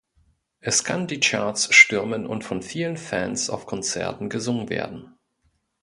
Es kann die Charts stürmen und von vielen Fans auf Konzerten gesungen werden.